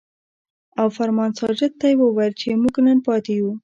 او فرمان ساجد ته يې وويل چې مونږ نن پاتې يو ـ